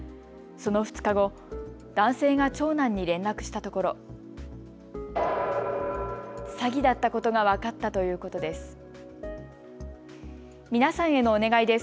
その２日後、男性が長男に連絡したところ詐欺だったことが分かったということです。